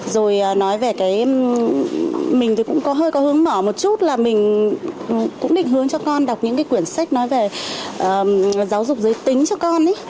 rồi nói về cái mình thì cũng có hơi có hướng bỏ một chút là mình cũng định hướng cho con đọc những cái quyển sách nói về giáo dục giới tính cho con ấy